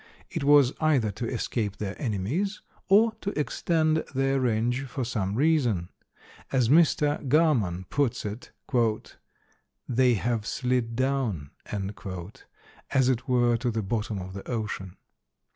It was either to escape their enemies or to extend their range for some reason; as Mr. Garman puts it, "They have slid down," as it were to the bottom of the ocean.